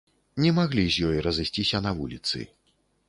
Не маглі з ёй разысціся на вуліцы.